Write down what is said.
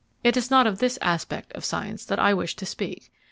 It is not of this aspect of science that I wish to speak.